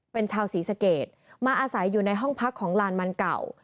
เป็นชาวศรีสะเกดมาอาศัยอยู่ในห้องพักของลานมันเก่า